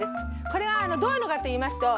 これはどういうのかといいますと。